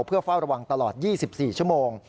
เพื่อเฝ้าระวังตลอด๒๔ชั่วโมง